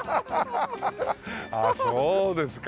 ああそうですか。